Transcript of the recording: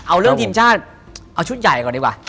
เอาเรื่องทีมชาติเอาชุดใหญ่ก่อนดีกว่า